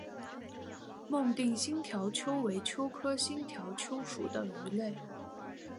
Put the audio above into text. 孟定新条鳅为鳅科新条鳅属的鱼类。